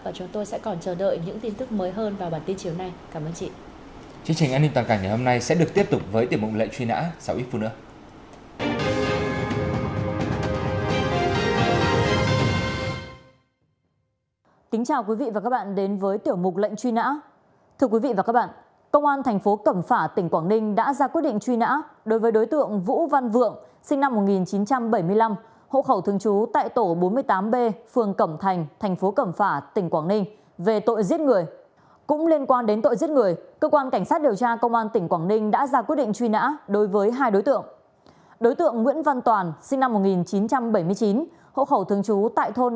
và chúng tôi sẽ còn chờ đợi những tin tức mới hơn vào bản tin chiều nay cảm ơn chị